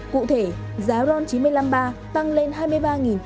cụ thể giá ron chín mươi năm ba tăng lên hai mươi ba tám trăm sáu mươi đồng một lít